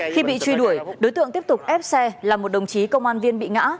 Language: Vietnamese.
khi bị truy đuổi đối tượng tiếp tục ép xe là một đồng chí công an viên bị ngã